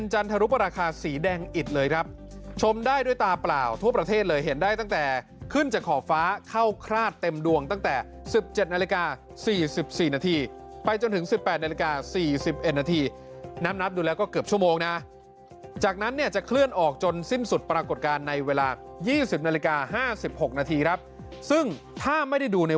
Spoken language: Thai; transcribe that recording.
จันทรุปราคาสีแดงอิดเลยครับชมได้ด้วยตาเปล่าทั่วประเทศเลยเห็นได้ตั้งแต่ขึ้นจากขอบฟ้าเข้าคลาดเต็มดวงตั้งแต่๑๗นาฬิกา๔๔นาทีไปจนถึง๑๘นาฬิกา๔๑นาทีนับดูแล้วก็เกือบชั่วโมงนะจากนั้นเนี่ยจะเคลื่อนออกจนสิ้นสุดปรากฏการณ์ในเวลา๒๐นาฬิกา๕๖นาทีครับซึ่งถ้าไม่ได้ดูใน